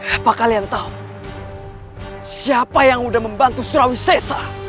apa kalian tahu siapa yang sudah membantu surawi sesa